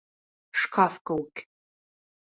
Шкаф кеүек.